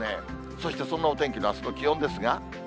そしてそんな天気のあすの気温ですが。